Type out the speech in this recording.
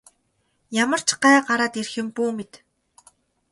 Ямар ч гай гараад ирэх юм бүү мэд.